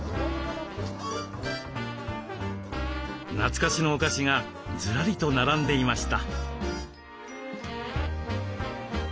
懐かしのお菓子がずらりと並んでいました。